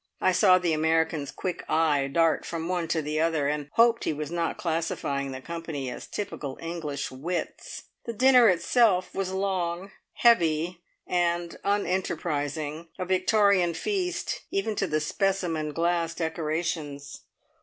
I saw the American's quick eye dart from one to the other, and hoped he was not classifying the company as typical English wits! The dinner itself was long, heavy, and unenterprising; a Victorian feast, even to the "specimen glass" decorations.